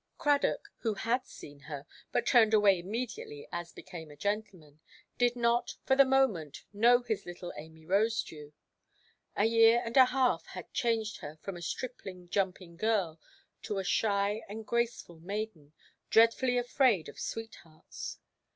Cradock, who had seen her, but turned away immediately (as became a gentleman), did not, for the moment, know his little Amy Rosedew. A year and a half had changed her from a stripling, jumping girl to a shy and graceful maiden, dreadfully afraid of sweethearts.